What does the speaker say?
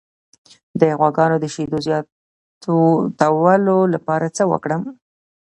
د غواګانو د شیدو زیاتولو لپاره څه وکړم؟